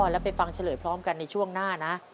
แล้วไปฟังเฉลยพร้อมกันในช่วงหน้านะ